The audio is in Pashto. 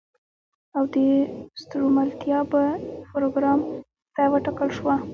او د ستورملتابه پروګرام ته وټاکل شوه.